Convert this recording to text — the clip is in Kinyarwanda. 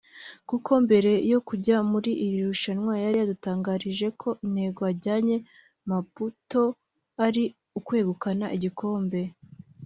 kuko mbere yo kujya muri iri rushanwa yari yadutangarije ko intego ajyanye Maputo ari ukwegukana igikombe